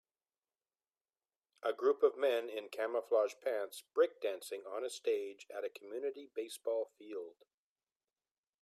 A group of men in camouflage pants breakdancing on a stage at a community baseball field